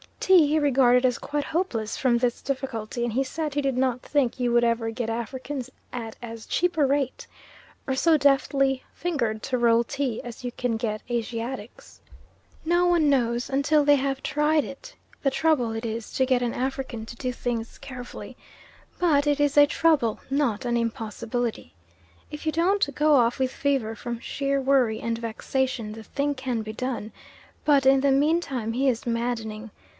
Tea he regarded as quite hopeless from this difficulty, and he said he did not think you would ever get Africans at as cheap a rate, or so deftly fingered to roll tea, as you can get Asiatics. No one knows until they have tried it the trouble it is to get an African to do things carefully; but it is a trouble, not an impossibility. If you don't go off with fever from sheer worry and vexation the thing can be done, but in the meantime he is maddening.